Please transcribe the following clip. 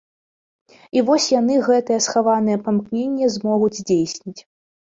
І вось яны гэтае схаванае памкненне змогуць здзейсніць.